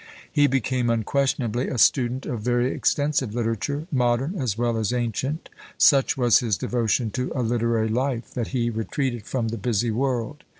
He became, unquestionably, a student of very extensive literature, modern as well as ancient. Such was his devotion to a literary life, that he retreated from the busy world.